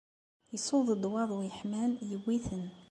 Iṣuḍ-d waḍu yeḥman, iwwi-ten.